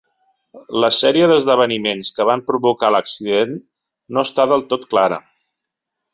La sèrie d'esdeveniments que van provocar l'accident no està del tot clara.